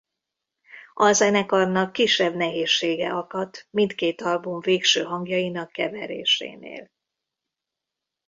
A zenekarnak kisebb nehézsége akadt mindkét album végső hangjainak keverésénél.